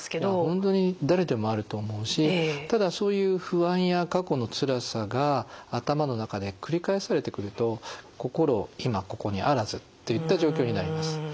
本当に誰でもあると思うしただそういう不安や過去のつらさが頭の中で繰り返されてくると心今・ここにあらずといった状況になります。